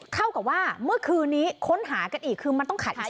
เข้ากับว่าเมื่อคืนนี้ค้นหากันอีกคือมันก็ขาอีก๔